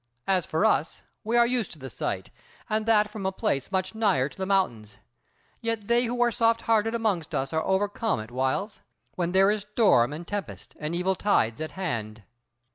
As for us, we are used to the sight, and that from a place much nigher to the mountains: yet they who are soft hearted amongst us are overcome at whiles, when there is storm and tempest, and evil tides at hand."